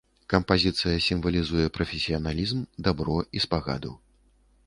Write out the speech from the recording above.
Кампазіцыя сімвалізуе прафесіяналізм, дабро і спагаду.